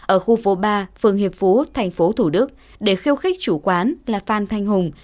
ở khu phố ba phường hiệp phú thành phố thủ đức để khiêu khích chủ quán là phan thanh hùng